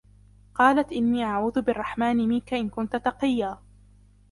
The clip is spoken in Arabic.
قالت إني أعوذ بالرحمن منك إن كنت تقيا